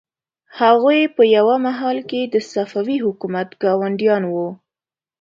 هغوی په یوه مهال کې د صفوي حکومت ګاونډیان وو.